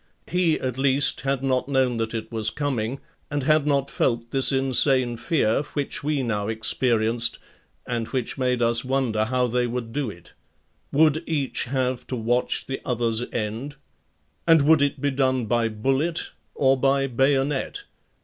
He at least had not known that it was coming and had not felt this insane fear which we now experienced and which made us wonder how they would do it. Would each have to watch the other's end? And would it be done by bullet or by bayonet?